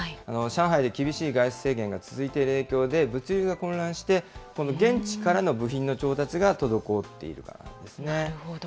上海で厳しい外出制限が続いている影響で、物流が混乱して、現地からの部品の調達が滞っているからなんですね。